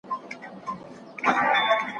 نه دي زور نه دي شهپر نه دي مشوکه